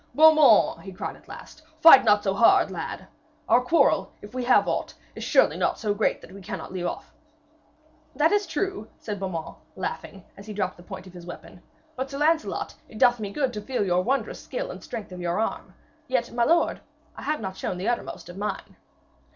'Beaumains,' he cried at length, 'fight not so hard, lad. Our quarrel, if we have aught, is surely not so great that we cannot leave off.' 'That is truth!' said Beaumains, laughing, as he dropped the point of his weapon. 'But, Sir Lancelot, it doth me good to feel your wondrous skill and the strength of your arm. Yet, my lord, I have not shown the uttermost of mine.'